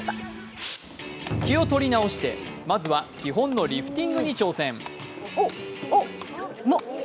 気を取り直して、まずは基本のリフティングに挑戦。